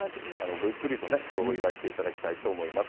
ごゆっくりとね、きょう、お祝いしていただきたいと思います。